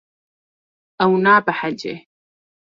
Ew nabehece.